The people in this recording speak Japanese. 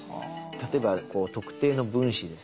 例えば特定の分子ですね。